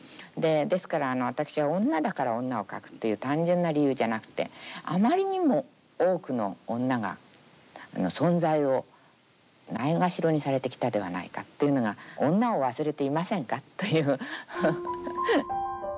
ですから私は女だから女を書くという単純な理由じゃなくてあまりにも多くの女が存在をないがしろにされてきたではないかっていうのが「女を忘れていませんか？」という。